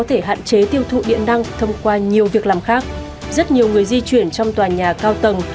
thông qua nhiều việc làm khác rất nhiều người di chuyển trong tòa nhà cao tầng